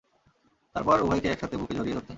তারপর উভয়কে একসাথে বুকে জড়িয়ে ধরতেন।